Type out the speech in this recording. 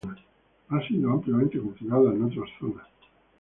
Ha sido ampliamente cultivada en otras zonas.